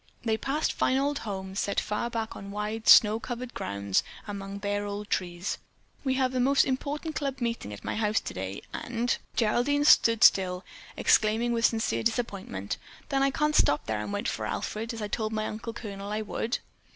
They passed fine old homes set far back on wide snow covered grounds among bare old trees. "We are having a most important club meeting at my house today, and——" Geraldine stood still, exclaiming with sincere disappointment: "Then I can't stop there and wait for Alfred as I told my uncle colonel that I would."